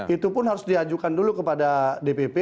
itu pun harus diajukan dulu kepada dpp